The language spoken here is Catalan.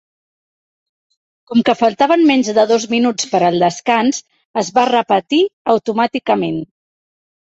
Com que faltaven menys de dos minuts per al descans, es va repetir automàticament.